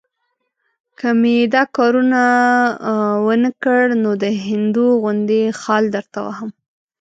که مې دا کار ونه کړ، نو د هندو غوندې خال درته وهم.